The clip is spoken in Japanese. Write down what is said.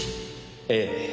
ええ。